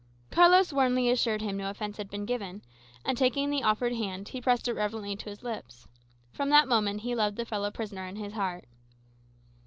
Carlos warmly assured him no offence had been given; and taking the offered hand, he pressed it reverently to his lips. From that moment he loved his fellow prisoner in his heart.